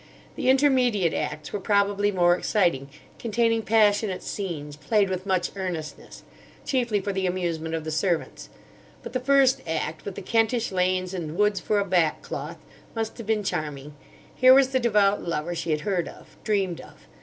The intermediate acts were probably more exciting, containing 'passionate scenes' played with much earnestness; chiefly for the amusement of the servants. But the first act, with the Kentish lanes and woods for a back cloth, must have been charming. Here was the devout lover she had heard of, dreamed of.